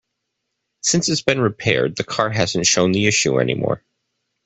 Since it's been repaired, the car hasn't shown the issue any more.